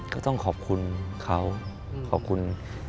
ก็ต้องขอบคุณเขาขอบคุณ